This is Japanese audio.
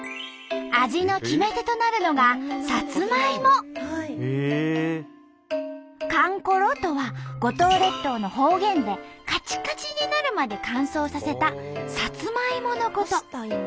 味の決め手となるのが「かんころ」とは五島列島の方言でカチカチになるまで乾燥させたサツマイモのこと。